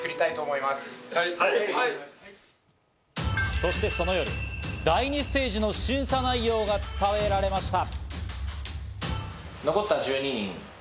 そしてその夜、第２ステージの審査内容が伝えられました。